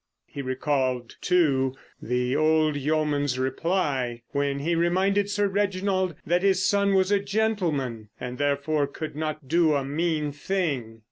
He recalled, too, the old yeoman's reply when he reminded Sir Reginald that his son was a gentleman—and therefore could not do a mean thing.